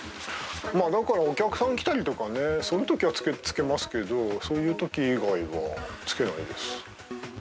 お客さんが来たりとかね、そういうときはつけますけど、そういうとき以外はつけないです。